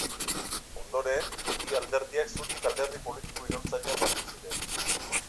Ondoren, bi alderdiak Zutik alderdi politiko iraultzailean batu ziren.